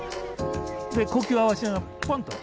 で呼吸を合わせながらポンと。